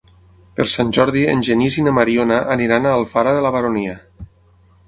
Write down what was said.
Per Sant Jordi en Genís i na Mariona aniran a Alfara de la Baronia.